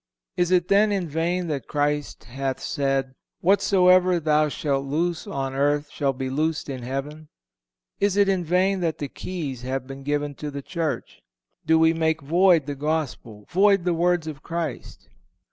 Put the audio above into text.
Is it then in vain that Christ hath said, 'Whatsoever thou shalt loose on earth shall be loosed in heaven?' Is it in vain that the keys have been given to the Church? Do we make void the Gospel, void the words of Christ?"